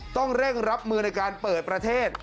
ต้องเร่งรับมือในการเปิดประเทศ